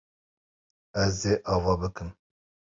Ez ê ava bikim.